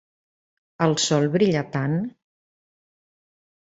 El sol brilla tant.